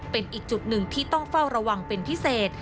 เป็นอีกจุดหนึ่งที่ต้องเฝ้าระวังเป็นพิเศษ